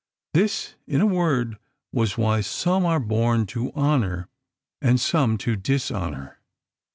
This, in a word, was why "some are born to honour and some to dishonour."